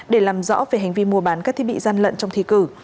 để làm rõ về hành vi mua bán các thiết bị gian lận trong thi cử